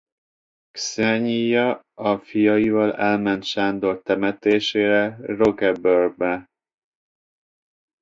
Kszenyija a fiaival elment Sándor temetésére Roquebrune-be.